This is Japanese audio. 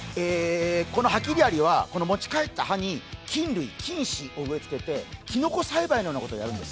このハキリアリは持ち帰った葉に菌類、菌糸を植えつけてきのこ栽培のようなことをやるんです。